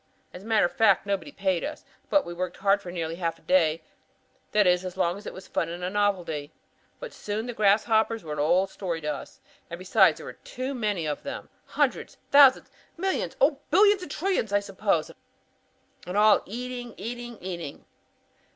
As a matter of fact nobody paid us, but we worked hard for nearly half a day; that is as long as it was fun and novelty. By noon the grasshoppers were an old story to us. And besides there were too many of them. Hundreds, thousands, millions, oh, billions and trillions I suppose. And all eating, eating, eating!